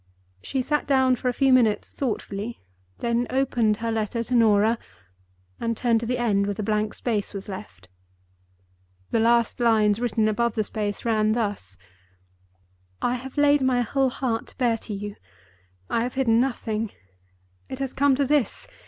She sat down for a few minutes thoughtfully, then opened her letter to Norah, and turned to the end where the blank space was left. The last lines written above the space ran thus: "... I have laid my whole heart bare to you; I have hidden nothing. It has come to this.